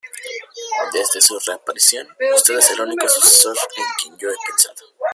Desde su reaparición, usted es el único sucesor en quien yo he pensado.